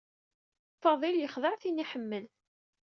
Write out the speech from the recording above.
Fadil yexdeɛ tin ay iḥemmel.